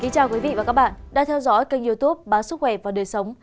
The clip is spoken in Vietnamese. chào các bạn đã theo dõi kênh youtube bán sức khỏe và đời sống